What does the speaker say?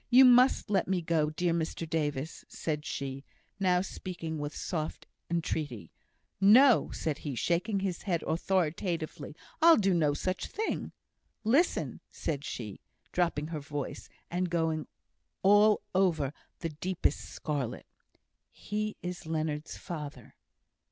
"You must let me go, dear Mr Davis!" said she, now speaking with soft entreaty. "No!" said he, shaking his head authoritatively. "I'll do no such thing." "Listen," said she, dropping her voice, and going all over the deepest scarlet; "he is Leonard's father!